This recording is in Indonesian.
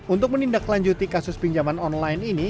untuk menindak lanjuti kasus pinjaman online ini